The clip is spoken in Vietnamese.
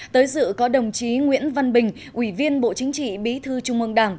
tới dự có đồng chí nguyễn văn bình ủy viên bộ chính trị bí thư trung ương đảng